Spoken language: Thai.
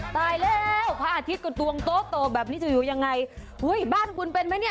ตายแล้วพระอาทิตย์ก็ตวงโตแบบนี้จะอยู่ยังไงอุ้ยบ้านคุณเป็นไหมเนี่ย